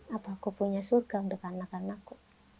apa aku punya surga untuk anak anakku